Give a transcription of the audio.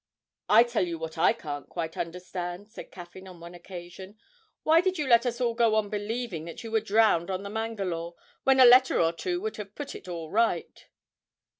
'I tell you what I can't quite understand,' said Caffyn on one occasion. 'Why did you let us all go on believing that you were drowned on the "Mangalore" when a letter or two would have put it all right?'